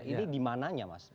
ini dimananya mas